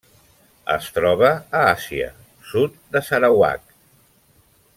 Es troba a Àsia: sud de Sarawak.